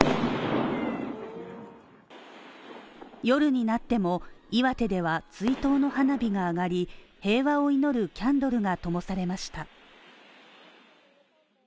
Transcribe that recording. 夜になっても、岩手では追悼の花火が上がり平和を祈るキャンドルがともされました。